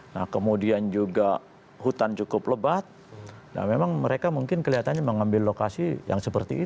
nah kemudian juga hutan cukup lebat nah memang mereka mungkin kelihatannya mengambil lokasi yang seperti itu